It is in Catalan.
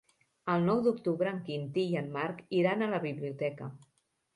El nou d'octubre en Quintí i en Marc iran a la biblioteca.